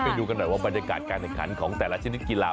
ไปดูกันหน่อยว่าบรรยากาศการแข่งขันของแต่ละชนิดกีฬา